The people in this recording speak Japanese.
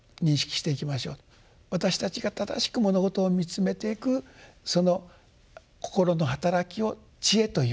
私たちが正しく物事を見つめていくその心の働きを智慧というわけです。